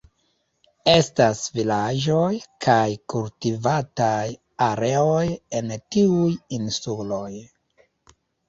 Estas vilaĝoj kaj kultivataj areoj en tiuj insuloj.